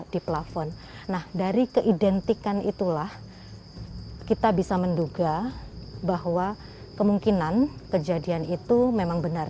di plafon nah dari keidentikan itulah kita bisa menduga bahwa kemungkinan kejadian itu memang benar